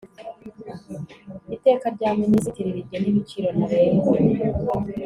iteka rya minisitiri rigena ibiciro ntarengwa